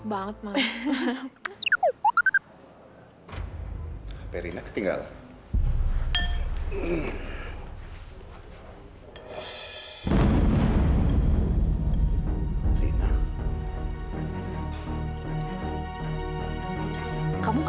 sampai jumpa di video selanjutnya